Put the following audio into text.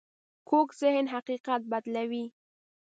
کوږ ذهن حقیقت بدلوي